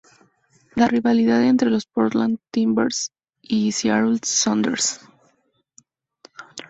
La Rivalidad entre los Portland Timbers y Seattle Sounders.